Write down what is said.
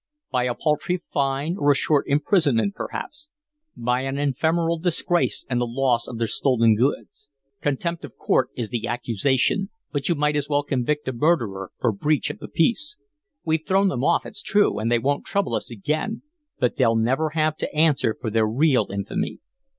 By a paltry fine or a short imprisonment, perhaps, by an ephemeral disgrace and the loss of their stolen goods. Contempt of court is the accusation, but you might as well convict a murderer for breach of the peace. We've thrown them off, it's true, and they won't trouble us again, but they'll never have to answer for their real infamy.